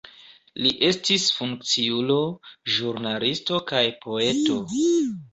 Li estis funkciulo, ĵurnalisto kaj poeto.